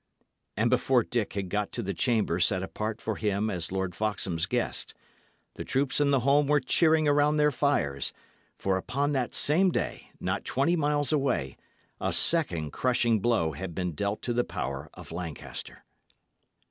And before Dick had got to the chamber set apart for him as Lord Foxham's guest, the troops in the holm were cheering around their fires; for upon that same day, not twenty miles away, a second crushing blow had been dealt to the power of Lancaster.